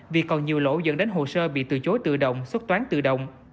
vì còn nhiều lỗ dẫn đến hồ sơ bị từ chối tự động xuất toán tự động